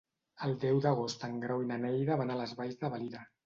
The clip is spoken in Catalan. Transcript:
El deu d'agost en Grau i na Neida van a les Valls de Valira.